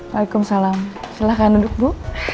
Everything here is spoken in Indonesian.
waalaikumsalam silahkan duduk bu